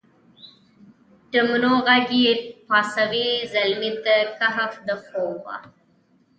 دپڼو ږغ یې پاڅوي زلمي د کهف دخوبه